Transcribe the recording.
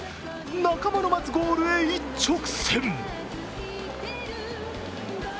仲間の待つゴールへ一直線。